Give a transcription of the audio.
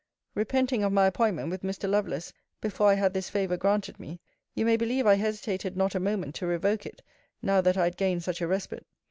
Repenting of my appointment with Mr. Lovelace before I had this favour granted me, you may believe I hesitated not a moment to revoke it now that I had gained such a respite.